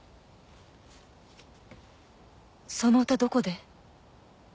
その歌どこで？